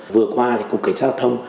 vừa qua thì cục cảnh sát thông